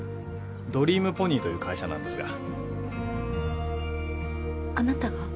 ドリームポニーという会社なんですがあなたが？